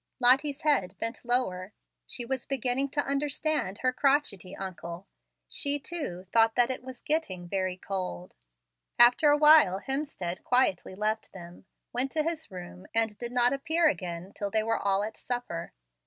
Lottie's head bent lower. She was beginning to understand her crotchety uncle. She, too, thought that it was getting very "cold." After a while Hemstead quietly left them, went to his room, and did not appear again till they were all at supper.